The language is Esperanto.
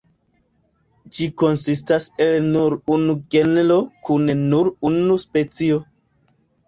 Ĝi konsistas el nur unu genro kun nur unu specio.